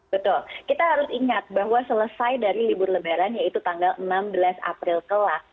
betul kita harus ingat bahwa selesai dari libur lebaran yaitu tanggal enam belas april kelas